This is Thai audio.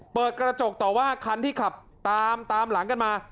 เปิดกระจกต่อว่าคันที่ขับตามตามหลังกันมา